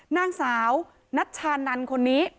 นางสาวนัชชานันคนนี้